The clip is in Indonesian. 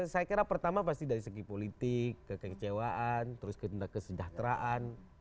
saya kira pertama pasti dari segi politik kekecewaan terus kesejahteraan